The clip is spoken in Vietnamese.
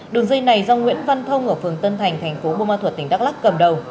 đường dây này do nguyễn văn thông ở phường tân thành thành phố bùa ma thuật tỉnh đắk lắc cầm đầu